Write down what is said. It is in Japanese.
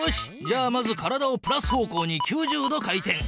じゃあまず体をプラス方向に９０度回転。